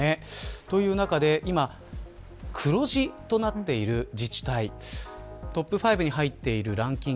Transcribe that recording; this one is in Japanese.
そういった中で今、黒字となっている自治体トップ５に入っているランキング